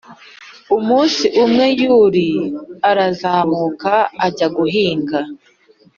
umunsi umwe yuli arazinduka ajya guhinga